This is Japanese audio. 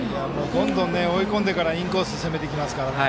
どんどん追い込んでからインコース、攻めてきますからね。